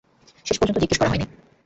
শেষ পর্যন্ত জিজ্ঞেস করা হয় নি।